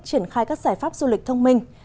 triển khai các giải pháp du lịch thông minh